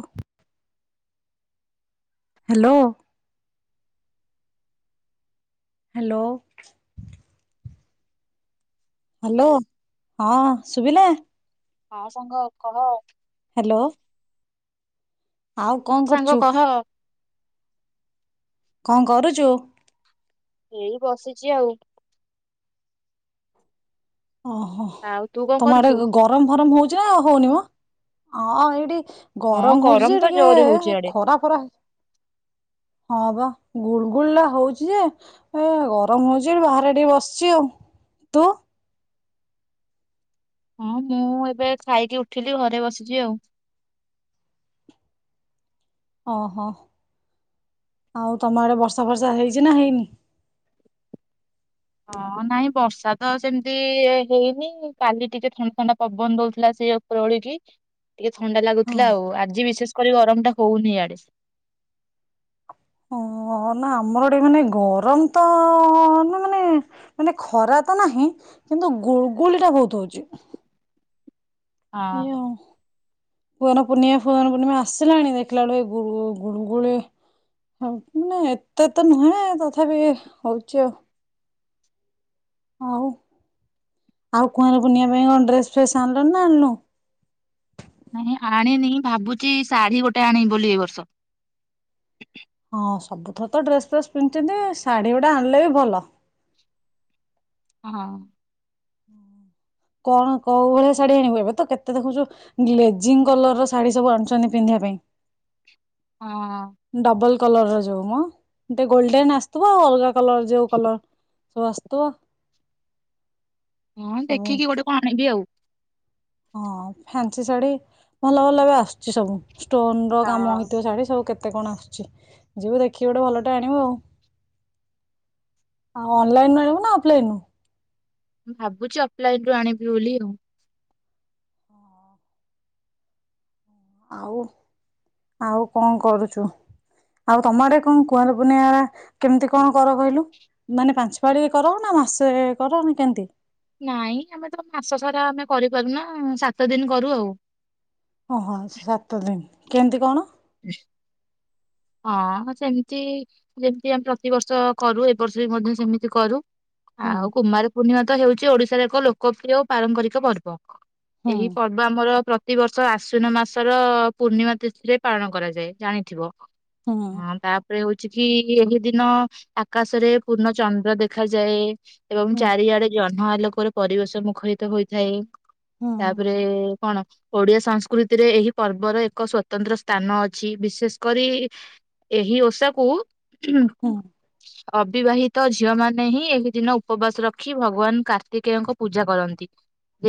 ଓ hello. [inaudible] Hello. [inaudible] Hello ହଁ ଶୁଭିଲା। ହଁ ସାଙ୍ଗ କହ। ହାଲୋ। ଆଉ କଣ ସାଙ୍ଗ କରୁଚୁ। କହ କଣ କରୁଚୁ। [inaudible] ଏଇ ବସିଛି ଆଉ। ଓହୋ ଆଉ ତୁ କଣ ତମ କରୁଛୁ? ଆଡ଼େ ଗରମ ଫରମ ହଉ ନା ହଉନି ମ ହଁ ଏଇଠି ହଁ ଗରମ ହଉଛି ଯେ ତ ଟିକେ ଜୋରେ ହଉଛି ଆଡେ। ଖରା ଫରା [inaudible] ହଁ ବା ଗୁଳ ଗୁଳ ଟା ହଉଛି ଯେ ଏ ଗରମ ହଉଛି। ବାହାରେ ଟିକେ ବସିଛି ଆଉ ତୁ। ହଁ ମୁଁ ଏବେ ଖାଇକି ଉଠିଲି ଘରେ ବସିଛିି ଆଉ। ଓହୋ [inaudible] ଆଉ ତମ ଆଡ଼େ ବର୍ଷା ବର୍ଷା ହେଇଛି ନା ହେଇନି। [inaudible] ହଁ ନାଇଁ ବର୍ଷା ତ ସେମିତି ହେଇନି। କାଲି ଟିକେ ଥଣ୍ଡା ଥଣ୍ଡା ପବନ ଦଉଥିଲା। ସେଇ ଓପରଓଳିକି ଟିକେ ଥଣ୍ଡା ହଁ ଲାଗୁଥିଲା। ଆଉ ଆଜି ବିଶେଷ କରି ଗରମ ଟା ହଉନି ଇଆଡ଼େ। [inaudible] ହଁ ନା ଆମର ଏଠି ମାନେ ଗରମ ତ ନା ମାନେ ମାନେ ଖରା ତ ନାହିଁ। କିନ୍ତୁ ଗୁଳଗୁଳି ଟା ବହୁତ ହଉଛି। ହଁ [unintelligible] କୁଆଁର ପୂର୍ଣ୍ଣିମା ଫୁଆଁର ପୂର୍ଣ୍ଣିମା ଆସିଲାଣି। ଦେଖିଲା ବେଳକୁ ଏଇ ଗୁ ଗୁଳୁଗୁଳି ନାଇଁ ଏତେ ତ ନୁହେଁ ତଥାପି ହଉଛି ଆଉ। ଆଉ [inaudible] ଆଉ କୁଆଁର ପୂର୍ଣ୍ଣିମା ପାଇଁ କଣ ଡ୍ରେସ ଫ୍ରେସ୍ ଆଣିଲୁଣି ନା ଆଣିନୁ। ନାଇଁ ଆଣିନି ଭାବୁଛି ଶାଢ଼ୀ ଗୋଟେ ଆଣିବି ବୋଲି ଏଇ ବର୍ଷ। [inaudible] ହଁ ସବୁଥର ତ ଡ୍ରେସ ଫ୍ରେସ୍ ପିନ୍ଧିଛନ୍ତି। ଶାଢ଼ୀ ଗୁଡ଼ା ଆଣିଲେ ବି ଭଲ। [inaudible] ହଁ। [inaudible] କଣ କୋଉ ଭଳିଆ ଶାଢ଼ୀ ଆଣିବୁ ଏବେ ତ କେତେ ଦେଖୁଛୁ। ଗ୍ଲେଜିଂ କଲର୍ ର ଶାଢ଼ୀ ସବୁ ଆଣୁଛନ୍ତି ପିନ୍ଧିବା ପାଇଁ। ହଁ। କଲର୍ ର ଯୋଉ ମ ଏମିତି ଗୋଲ୍ଡେନ୍ ଆସିଥିବ। ଆଉ ଅଲଗା କଲର ଯୋଉ କଲର ସବୁ ଆସୁଥିବ। ହଁ ସବୁ ଦେଖିକି ଗୋଟେ କଣ ଆନିବି ଆଉ। ହଁ ଫ୍ୟନ୍ସି ଶାଢୀ ଭଲ ଭଲ ବି ଆସୁଚି ସବୁ। ଷ୍ଟୋନ ର କାମ ହଁ ହେଇଥିବ ଶାଢୀ ସବୁ କେ କେତେ କଣ ଆସୁଛି ଯିବୁ ଦେଖିକି ଗୋଟେ ଭଲଟେ ଆଣିବୁ ଆଉ। [inaudible] ହଁ ଅନଲିଇନ ରୁ ଆଣିବୁ ନା ଅଫଲାଇନରୁ। ଭାବୁଛି ଅଫଲାଇନ ରୁ ଆଣିବି ବୋଲି ଆଉ। ଆଉ [inaudible] ଆଉ କଣ କରୁଚୁ। ଆଉ ତମ ଆଡେ କଣ କୁଆଁର ପୁନେଇ କେମିତି କଣ କର କହିଲୁ। ମାନେ ପାଞ୍ଚ ପାଳି କର ନା ମାସେ କର ନା କେମିତି। ନାଇଁ ଆମେ ତ ମାସ ସାରା ଆମେ କରିପାରୁନା ସାତ ଦିନ କରୁ ଆଉ। ଓହୋ ସାତ ଦିନ। କେମିତି କଣ। ହ ହଁ ସେମିତି ଯେମିତି ଆମେ ପ୍ରତିବର୍ଷ କରୁ। ଏ ବର୍ଷ ବି ମଧ୍ୟ ସେମିତି କରୁ। ହୁଁ ଆଉ କୁମାର ପୂର୍ଣ୍ଣିମାତ ହେଉଛି ଓଡିଶାର ଏକ ଲୋକପ୍ରିୟ ଓ ପାରମ୍ପରିକ ପର୍ବ ହୁଁ ଏହି ପର୍ବ ଆମର ପ୍ରତିବର୍ଷ ଆଶ୍ୱିନ ମାସର ପୂର୍ଣ୍ଣିମା ତିଥିରେ ପାଳନ କରାଯାଏ ଜାଣିଥିବ ହୁଁ ହଁ ତାପରେ ହଉଛି କି ଏହି ଦିନ ଆକାଶରେ ପୂର୍ଣ୍ଣ ଚନ୍ଦ୍ର ଦେଖାଯାଏ। ଏବଂ ହୁଁ ଚାରିଆଡେ ଜଣ ଘଁ ଲୋକର ପରିବେଶ ମୁଖରିତ ହୋଇଥାଏ ତାପରେ କଣ? ଓଡିଆ ସଂସ୍କୃତିରେ ଏହି ପର୍ବର ଏକ ସ୍ଵତନ୍ତ୍ର ସ୍ଥାନ ଅଛି ବିଶେଷ କରି ଏହି ଓଷାକୁ ହୁଁ ଅବିବାହି ତ ଝିଅ ମାନେ ହିଁ ଏହି ଦିନ ଉପବାସ ରଖି ଭଗବାନ କାର୍ତ୍ତିକେୟଙ୍କ ପୂଜା କରନ୍ତି।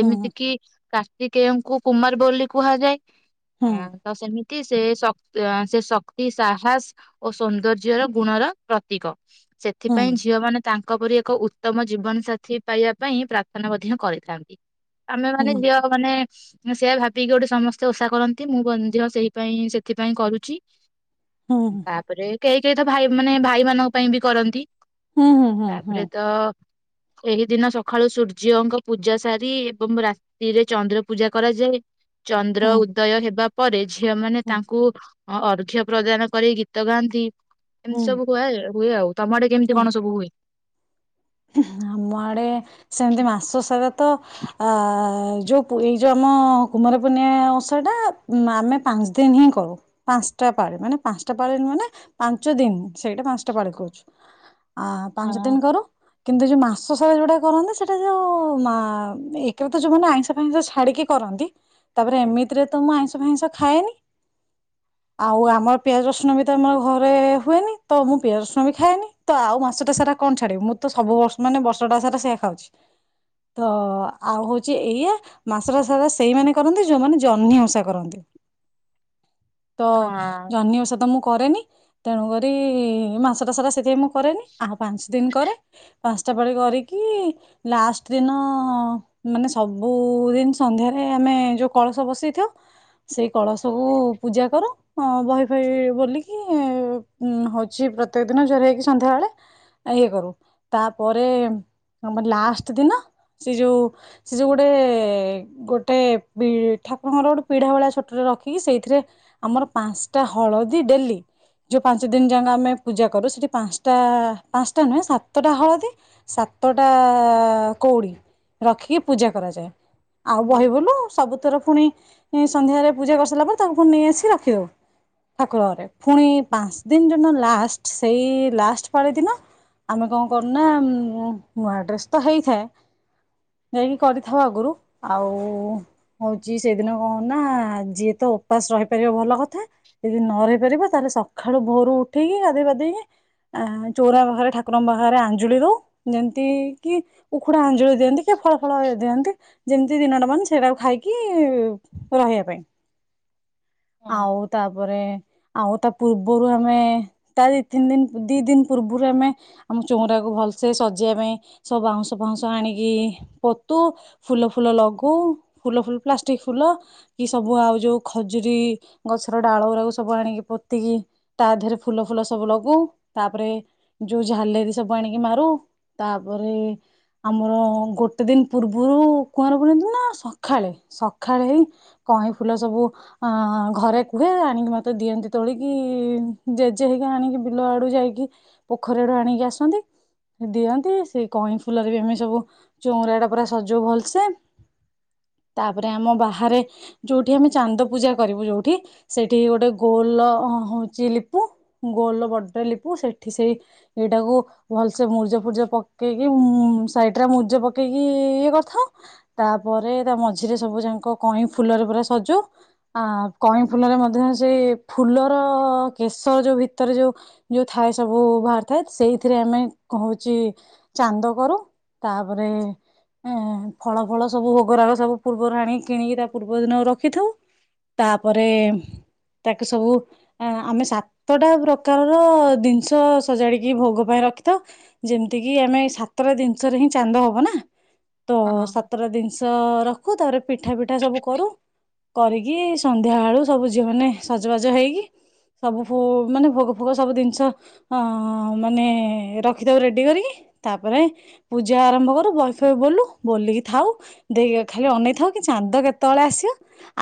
ହୁଁ କିା କି କେଉଙ୍କୁ କୁମାର ବୋଲି କୁହାଯାଏ। ଆ ହୁଁ ତ ସେମିତି ସେ ଶକ୍ ସେ ଶ ସାହସ ଓ ସୌନ୍ଦର୍ଯ୍ୟର ଗୁଣର ପ୍ରତୀକ ହୁଁ ହୁଁ ସେଥିପାଇଁ ଝିଅ ମାନେ ତାଙ୍କ ପରି ଏକ ଉତ୍ତମ ଜୀବନ ସାଥିୀ ପାଇବା ପାଇଁ ପ୍ରାର୍ଥନା ମଧ୍ୟ କରିଥାନ୍ତି। ଆମେ ମାନେ ହୁଁ ଝିଅ ମାନେ ସେଆ ଭାବି ପି ଗୋଟେ ସମସ୍ତେ ଓଷା କରନ୍ତି ମୁଁ ଦିଅ ସେଇ ପାଇଁାଇ ସେଥିପାଇଁ କରୁଛି ହୁଁ ତାପରେ କେହି ସେଏ ତ ଭାଇ ମାନେ ଭାଇମାନାନଙ୍କ ପାଇଁ ବି କରନ୍ତି। ହୁଁ ହୁଁ ହୁଁ ହଁ ତାପରେ ତ ଏହି ଦିନ ସକାଳୁ ସୂର୍ଯ୍ୟଙ୍କ ପୂଜା ସାରି ଏବଂ ରାତିରେ ଚନ୍ଦ୍ର ପୂଜା କରାଯାଏ ଚନ୍ଦ୍ର ହୁଁ ଉଦୟ ହେବା ପରେ ଝିଅ ମାନେ ତାଙ୍କୁ ଅ ଅର୍ଘ୍ୟ ପ୍ରଦାନ କରି ଗୀତ ଗାଆନ୍ତି। ଏମିତି ହୁଁ ସବୁ କୁହାଯାଉ। ହୁଏ ଆଉ ତମ ଆଡେ କେମିତି ହୁଁ କଣ ସବୁ ହୁଏ। ଆମ ଆଡେ ସେମିତି ମାସ ସାରା ତ ଆ ଯୋଉ ଏଇ ଯୋଉ ଆମ କୁମାର ପୂର୍ଣ୍ଆ ଓଷାଟା ଆମେ ପାଞ୍ଚ ଦିନ ହିଁ କରୁ। ପାଞ୍ଚଟା ପାଳି ମାନେ ପାଞ୍ଚଟା ପାଳି ମାନେ ପାଞ୍ଚ ଦିନ ସେଇଟା ପାଞ୍ଚଟା ପାଳି କରୁଛୁ। ଆ ପାଞ୍ଚ ହଁ ଦିନ କରୁ। କିନ୍ତୁ ଯୋଉ ମାସ ସାରା ଯୋଉଟା କରନ୍ତି। ସେଟା ଯୋଉ ମା ଏକରେତ। ଯୋଉମାନେ ଆଇଁଷ ଫାଇଁଷ ଛାଡିକି କରନ୍ତି ତାପରେ ଏମିତିରେ ତ ମୁଁ ଆଇଁଷ ଫଇଁଷ ଖାଏନି। [inaudible] ଆଉ ଆମର ପିଆଜ ରସୁଣ ବି ତ ଆମର ଘରେ ହୁଏନି। ତ ମୁଁ ପିଆଜ ରସୁଣ ବି ଖାଏନି ତ ଆଉ ମାସଟା ସାରା କଣ ଛାଡିବ। ମୁଁ ତ ସବୁ ବର୍ଷ ମାନେ ବର୍ଷଟା ସାରା ସେଇଆ ଖାଉଛି। ମ ତ ଆଉ ହଉଛି ଏଇଆ ମାସଟା ସାରା ସେଇମାନେେ କରନ୍ତି ଯୋଉମାନେ ଜହ୍ନି ଆଷା ସେ କରନ୍ତି। [inaudible] ତ ଜନହିି ଓଷା ତ ମୁଁ କରେନି ତେଣୁକରି ମାସଟା ସାରା ସେଥିପାଇଁ ମୁଁ କରେନି। ଆଉ ପାଞ୍ଚ ଦିନ କରେ। ପାଞ୍ଚଟା ପାଳି କରିକି ଲାଷ୍ଟ ଦିନ ମାନେ ସବୁଦିନ ସନ୍ଧ୍ୟାରେ ଆମେ ଯୋଉ କଳସ ବସେଇଥାଉ। ସେଇ କଳସକୁ ପୂଜା କରୁ ବହି ଫହି ବୋଲିକି ହଉଛି ପ୍ରତ୍ୟକ ଦିନ ଜୁହାର ହେଇକି ସନ୍ଧ୍ୟା ବେଳେ ଇଏ କରୁ। ତାପରେ ଆମର ଲାଷ୍ଟ ଦିନ। ସେ ଯୋଉ ସେ ଯୋଉ ଗୋଟେ ଗୋଟେ ଠାକୁରଙ୍କର ଗୋଟେ ପିଢା ଭଳିଆ ଛୋଟଟେ ରଖିକି। ସେଇଥିରେ ଆମର ପାଞ୍ଚଟା ହଳଦୀ ଡେଲି ଯୋଉ ପାଞ୍ଚ ଦିନ ଯାକ ଆମେ ପୂଜା କରୁ। ସେଠି ପାଞ୍ଚଟା ପାଞ୍ଚଟା ନୁହେଁ ସାତ ସାତଟା ହଳଦୀ ସାତଟା କଉଡ଼ି ରଖିକି ପୂଜା କରାଯାଏ। ଆଉ ହଁ। ବହି ବୋଲୁ ସବୁଥର ପୁଣି ସନ୍ଧ୍ୟାରେ ପୂଜା କରିସାରିଲା ପରେ। ତାକୁ ପୁଣି ନେଇ ଆସିକି ରଖିଦଉ। ଠାକୁର ଘରେ ପୁଣି ପାଞ୍ଚ ଦିନ ଯୋଉ ଦିନ ଲାଷ୍ଟ ସେଇ ଲାଷ୍ଟ ପାଳି ଦିନ ଆମେ କଣ କରୁନା ନୂଆ ଡ୍ରେସ୍ ତ ହେଇଥାଏ। [inaudible] ଯାଇକି କରିଥାଉ ଆଗରୁ ଆଉ ହଉଛି। ସେଦିନ କଣ କରୁନା। ଯିଏ ତ ଉପାସ ରହିପାରିବ ଭଲ କଥା। ଯଦି ନ ରହିପାରିବ। ତାହେଲେ ସକାଳୁ ଭୋରୁ ଉଠିକି ଗାଧୋଇ ପାଧେଇକି ଚଉରା ପାଖରେ ଠା କ୍ରମ ବାହାରେ ଆଞ୍ଜୁଳି ଦଉ ଯେମିତି କି ଉଖୁଡ଼ା ଆଞ୍ଜୁଳି ଦିଅନ୍ତି। କି ଫଳ ଫଳ ଦିଅନ୍ତି। ଯେମିତି ଦିନଟା ମାନେ ସେଇଟାକୁ ଖାଇକି ରହିବା ପାଇଁ। ହଁ ଆଉ ତାପରେ ଆଉ ତା ପୂର୍ବରୁ ଆମେ ତା ଦି ତିନି ଦିନ ଦି ଦିନ ପୂର୍ବରୁ ଆମେ ଆମ ଚଉଁରାକୁ ଭଲସେ ସଜେଇବା ପାଇଁ ସବୁ ବାଉଁଶ ଫାଉଁଶ ଆଣିକି ପୋତୁ। ଫୁଲ ଫୁଲ ଲଗଉ ଫୁଲ ଫୁଲ ପ୍ଲାଷ୍ଟିକ ଫୁଲ କି ସବୁ ଆଉ ଯୋଉ ଖଜୁରୀ ଗଛର ଡାଳ ଗୁଡାକୁ ସବୁ ଆଣିକି ପୋତିକି ତା ଦେହରେ ଫୁଲ ଫୁଲ ସବୁ ଲଗଉ। ତାପରେ ଯୋଉ ଝାଲେରି ସବୁ ଆଣିକି ମାରୁ ତାପରେ ଆମର ଗୋଟେ ଦିନ ପୂର୍ବରୁ କୁଆଁର ପୁନେଇଁ ଦିନ ସଖାଳେ ସଖାଳେ ହି କଇଁ ଫୁଲ ସବୁ ଘରେ କୁହେ ଆଣିକି ମତେ ଦିଅନ୍ତି। ତୋଳିକି ଜେଜେ ହେଇକି ଆଣିକି ବିଲ ଆଡୁ ଯାଇକି ପ ପୋଖରୀଡୁ ଆଣିକି ଆସନ୍ତି ଦିଅନ୍ତି। ସେଇ କଇଁ ଫୁଲରେ ବି ଆମେ ସବୁ ଚଉରା ଟା ପୁରା ସଜଉ ଭଲସେ। [inaudible] ତାପରେ ଆମ ବାହାରେ ଯୋଉଠି ଆମେ ଚାନ୍ଦ ପୂଜା କରିବୁ। ଯୋଉଠି ସେଠି ଗୋଟେ ଗୋଲ ହଉଛି ଲିପୁ ଗୋଲ ବଡ ଲିପୁ ସେଠି ସେଇ ଏଇଟାକୁ ଭଲସେ ମୁରୁଜ ଫୁର୍ଜ ପକେଇକି ସାଇଡ ଟା ମୁରୁଜ ପକେଇକି ଇଏ କରିଥାଉ। ତାପରେ ତା ମଝିରେ ସବୁ ଯାକ କଇଁ ଫୁଲରେ ପୁରା ସଜଉ। ଆ କଇଁ ଫୁଲରେ ମଧ୍ୟ ସେ ଫୁଲର କେଶର ଯୋଉ ଭି ତାର ଯୋଉ ଯୋଉ ଥାଏ ସବୁ ଭାର ଥା ସେଇଥିରେ ଆମେ ହଉଛି ଚାନ୍ଦ କରୁ। ତାପରେ ଫଳ ଫଳ ସବୁ ଭୋଗରାଗ ସବୁ ପୂର୍ବରୁ ଆଣିିକି କିଣିକି ତା ପୂର୍ବ ଦିନ ରଖିଥାଉ। ତାପରେ ତାକୁ ସବୁ ଆମେ ସାତଟା ପ୍ରକାରର ଦିନିଷ ସଜାଡିକି ଭୋଗ ପାଇଁ ରଖିଥଉା। ଯେମିତି କିି ଆମେ ସାତଟା ଜିନିଷରେ ହିଁ ଚାନ୍ଦ ହବ ନା। ତ ହଁ। ସତର ଦିନସ ରଖ [unintelligible] ପିଠା ଫିଠା ସବୁ କରୁ। କରିକି ସନ୍ଧ୍ୟା ବେଳୁ ସବୁ ଝିଅ ମାନେ ସଜବାଜ ହେଇକି। ସବୁ ମାନେ ଭୋଗ ଫୋଗ ସବୁ ଜିନିଷ ହଁ ମାନେ ରଖିଥାଉ ରେଡି କରିକି। ତାପରେ ପୂଜା ଆରମ୍ଭ କରୁ ବହିଫଇ ବୋଲୁ। ବୋଲିକି ଥାଉ ଦେଇ ଖାଲି ଅନେଇଥାଉ କି ଚାନ୍ଦ କେତେବେଳେ ଆସିବ।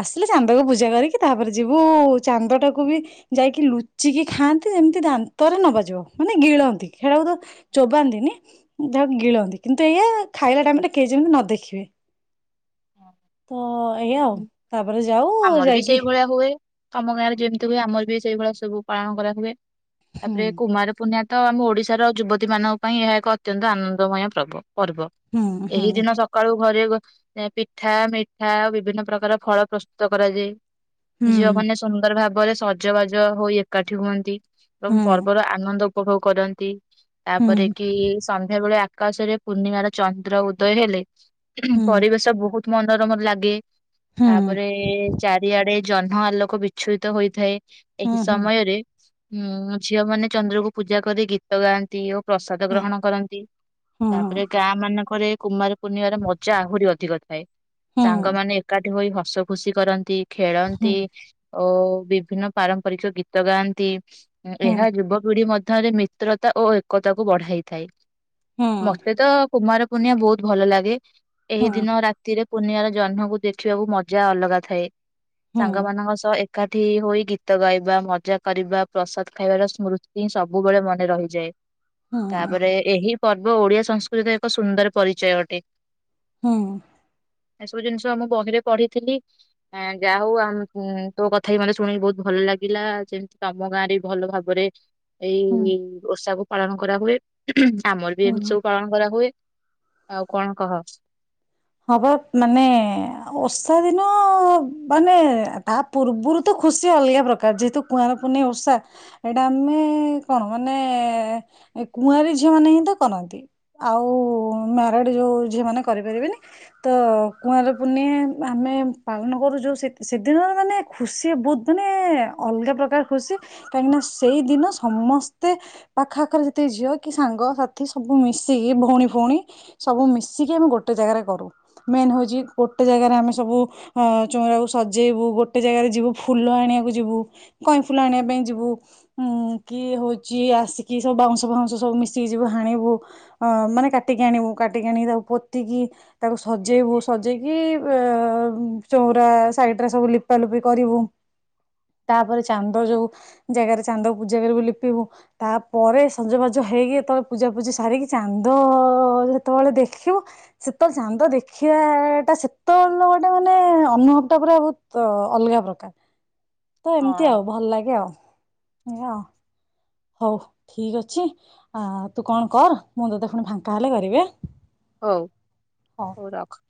ଆସିଲେ ଚାନ୍ଦକୁ ପୂଜା କରିକି ତାପରେ ଯିବୁ ଚାନ୍ଦଟାକୁ ବି ଯାଇକି ଲୁଚିକି ଖାଆନ୍ତି। ଏମିତି ଦାନ୍ତ ଦାନ୍ତରେ ନବାଜଉ ମାନେ ଗିଳନ୍ତି ଚୋବାନ୍ତିନି। ଯାହାକୁ ଗିଳନ୍ତି କିନ୍ତୁ ଏଇଆ ଖାଇଲା ଟାଇମରେ କେହି ଯେମିତି ନ ଦେଖିବେ। ତ ଏଇଆ ଆଉ ତାପରେ ଯାଉ ଆମର ବି ଯାଇକି ସେଇଭଳିଆ ହୁଏ। ତମ ଗାଁରେ ଯେମିତି ହୁଏ। ଆମର ବି ସେଇଭଳିଆ ସବୁ ପାଳନ କରା ହୁଏ। ହୁଁ ତାପରେ କୁମାର ପୂର୍ଣ୍ଣିମା ତ ଆମ ଓଡିଶାର ଯୁବତୀ ମାନଙ୍କ ପାଇଁ ଏହା ଏକ ଅତ୍ୟନ୍ତ ଆନନ୍ଦମୟ ପର୍ବ। ପର୍ବ ହୁଁ ହୁଁ ଏହି ଦିନ ସକାଳୁ ଘରେ [inaudible] ପିଠା ମିଠା ବିଭିନ୍ନ ପ୍ରକାର ଫଳ ପ୍ରସ୍ତୁତ କରାଯାଏ। ହୁଁ ଝିଅ ମାନେ ସୁନ୍ଦର ଭାବେ ପରେ ସଜବାଜ ହୋଇ ଏକାଠି ହୁଅନ୍ତି। ଏବଂ ହୁଁ ପର୍ବର ଆନନ୍ଦ ଉପଭୋଗ କରନ୍ତି। ହୁଁ ତାପରେ କି ସନ୍ଧ୍ୟା ବେଳେ ଆ କାଶରେ ପୂର୍ଣ୍ଣିମାର ଚନ୍ଦ୍ର ଉଦୟ ହେଲେ ହୁଁ ପରିବେଶ ବହୁତ ମନୋରମ ଲାଗେ। ହୁଁ ତାପରେ ଚାରିଆଡେ ଜହ୍ନ ଆଲୋକ ବିଚ୍ଛୁରିତ ହୋଇଥାଏ। ହୁଁ ଏହି ହୁଁ ସମୟରେ ହୁଁ ଝିଅ ମାନେ ଚନ୍ଦ୍ରକୁ ପୂଜା କରି ଗୀତ ଗାଆନ୍ତି ଓ ପ୍ରସାଦ ଗ୍ରହଣ କରନ୍ତି, ହୁଁ ତାପରେ ଗାଁ ମାନଙ୍କରେ କୁମାର ପୂର୍ଣ୍ଣିମାର ମଜା ଆହୁରି ଅଧିକ ଥାଏ। ହୁଁ ସାଙ୍ଗମାନେ ଏକା ଠି ହୋଇ ହସ ଖୁସି କରନ୍ତି। ହୁଁ ଖେଳନ୍ତି। ଓ ବିଭିନ୍ନ ପାରମ୍ପରିକ ଗୀତ ଗାଆନ୍ତି। ହୁଁ ଏହା ଯୁବ ପିଢି ମ ଥରେ ମିତ୍ରତା ଓ ଏକତାକୁ ବଢାଇଥାଏ। ହୁଁ ମୋତେ ତ କୁମାର ପୂର୍ଣ୍ଣିମା ବହୁତ ଭଲ ଲାଗେ। ଏହି ହୁଁ ଦିନ ରା ଏ ପୁନିମାର ଜହ୍ନକୁ ଦେଖିବାକୁ ମଜା ଅଲଗା ଥାଏ। ହୁଁ ସାଙ୍ଗମାନଙ୍କ ସହ ଏ ଏକାଠି ହୋଇ ଗୀତ ଗାଇବା, ମଜା କରିବା, ପ୍ରସାଦ ଖାଇବାର ସ୍ମୃତି ସବୁବେଳେ ମନେ ରହିଯାଏ। ହୁଁ ତାପରେ ଏହି ପର୍ବ ଓଡିଆ ସଂସ୍କୃତିର ଏକ ସୁନ୍ଦର ପରିଚୟ ଅଟେ। ହୁଁ। ଏସବୁ ଜିନିଷ ମୁଁ ବହିରେ ପଢିଥିଲି। ଏଁ, ଯା ହଉ ଆମ୍ ହୁଁ ତୋ କଥା ବି ମୋତେ ଶୁଣିକି ବହୁତ ଭଲ ଲାଗିଲା, ଯେମିତି ତୋମ ଗାଁ ରେ ଭଲ ଭାବରେ ହୁଁ ଏଇ ଓଷାକୁ ପାଳନ କରା ହୁଏ। ଆମର ବି ହୁଁ ଏମିତି ସବୁ ପାଳନ କରାହୁଏ। ଆଉ କଣ କହ? ହବ ମାନେ ଏ-ଏ ଓଷା ଦିନ ଅ-ଅ-ଅ ମାନେ ତା ପୂର୍ବରୁ ତ ଖୁସି ଅଲଗା ପ୍ରକାର ଯେହେତୁ କୁଆଁର ପୁନେଇ ଓଷା। ଏଇଟା ଆମେ ଏ-ଏ-ଏ କଣ ମାନେ ଏ-ଏ-ଏ କୁଆଁରୀ ଝିଅ ମାନେ ହିଁ ତ କରନ୍ତି। ଆଉ ଉ-ଉ-ଉ ମ୍ୟାରେଡ୍ ଯୋଉ ଝିଅ ମାନେ କରିପାରିବେନି। ତ କୁଆଁର ପୁର୍ନେଇ ଆମେ ପାଳନ କରୁ ଯୋଉ ସେ ସେଦିନ ମାନେ ଖୁସି ବହୁତ ମାନେ ଅଲଗା ପ୍ରକାର ଖୁସି। କାହିଁକି ନା ସେଇଦିନ ସମସ୍ତେ ପାଖ ଆଖରେ ଯେତେ ଝିଅ କି ସାଙ୍ଗସାଥି ସବୁ ମିଶିକି ଭଉଣୀ ଫଉଣୀ ସବୁ ମିଶିକି ଆମେ ଗୋଟେ ଜାଗାରେ କରୁ ମେନ୍ ହଉଛି ଗୋଟେ ଜାଗାରେ ଆମେ ସବୁ ଅ-ଅ ଚଉରାକୁ ସଜେଇବୁ, ଗୋଟେ ଜାଗାରେ ଯିବୁ ଫୁଲ ଆଣିବାକୁ ଯିବୁ କଇଁ ଫୁଲ ଆଣିବା ପାଇଁ ଯିବୁ ଉ, କି ହଉଛି ଆସିକି ସବୁ ବାଉଁଶ ଫାଉଁଶ ସବୁ ମିଶିକି ଯିବୁ ହାଣିବୁ। ଅ-ଅ ମାନେ କାଟିକି ଆଣିବୁ କାଟିକି ଆଣିକି ତାକୁ ପୋତିକି ତାକୁ ସଜେଇବୁ ସଜେଇକି ଏ-ଏ-ଏ ଚଉରା ସାଇଡ୍ ରେ ସବୁ ଲିପା ଲିପି କରିବୁ। ତାପରେ ଚାନ୍ଦ ଯୋଉ ଜାଗାରେ ଚାନ୍ଦ ପୂଜା କରିବୁ ଲିପିବୁ। ତାପରେ ସଜବାଜ ହେଇକି ତ ପୂଜାପୂଜି ସାରିକି ଚାନ୍ଦ ଅ-ଅ-ଅ ଯେତେବେଳେ ଦେଖିବୁ ସେ ତ ଚାନ୍ଦ ଦେଖିବାଟା ସେତେବେଳେର ଗୋଟେ ମାନେ ଅନୁଭବ ଟା ପୁରା ବହୁତ ଅଲଗା ପ୍ରକାର। ତ ହଁ ଏମତି ଆଉ ଭଲ ଲାଗେ ଆଉ। ଆ ହଉ ଠିକ୍ ଅଛି। ଆ ତୁ କଣ କର ମୁଁ ତତେ ପୁଣି ଫାଙ୍କା ହେଲେ କରିବି ଆ। ହଉ ହଉ ରଖ।